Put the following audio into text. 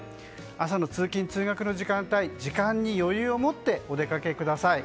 朝の通勤・通学の時間帯時間に余裕を持ってお出かけください。